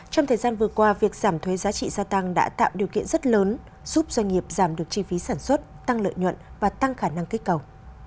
trong thời gian vừa qua việc giảm thuế giá trị gia tăng đã tạo điều kiện rất lớn giúp doanh nghiệp giảm được chi phí sản xuất tăng lợi nhuận và tăng khả năng kết cầu